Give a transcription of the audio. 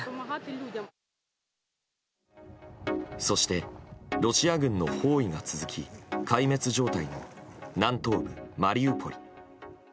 そしてロシア軍の包囲が続き壊滅状態の南東部マリウポリ。